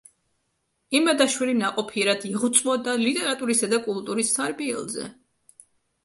იმედაშვილი ნაყოფიერად იღვწოდა ლიტერატურისა და კულტურის სარბიელზე.